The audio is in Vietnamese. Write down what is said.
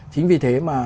chính vì thế mà